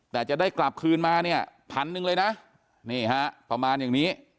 แต่จะได้กลับคืนมาเนี่ยพันหนึ่งเลยนะนี่ฮะประมาณอย่างนี้